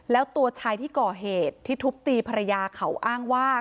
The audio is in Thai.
แล้วตัวชายที่ก่อเหตุที่ทุบตีภรรยาเขาอ้างว่า